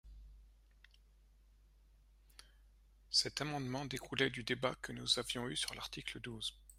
Cet amendement découlait du débat que nous avions eu sur l’article douze.